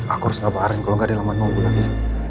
aku harus ngapain kalau gak ada yang nunggu lagi